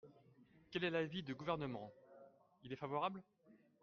Quel est l’avis du Gouvernement ? Il est favorable.